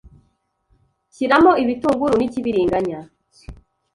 shyiramo ibitunguru n’ikibiringanya,